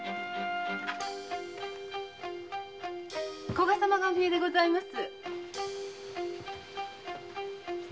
・古賀様がお見えでございます。